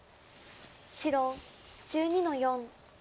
白１２の四。